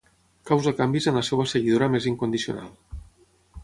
Causa canvis en la seva seguidora més incondicional.